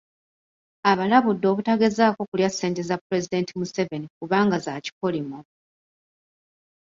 Abalabudde obutagezaako kulya ssente za Pulezidenti Museveni kubanga za kikolimo .